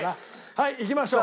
はいいきましょう。